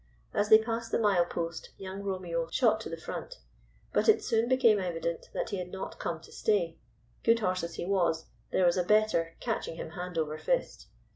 As they passed the mile post Young Romeo shot to the front, but it soon became evident he had not come to stay. Good horse as he was, there was a better catching him hand over fist.